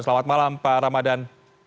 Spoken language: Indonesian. selamat malam pak ramadhan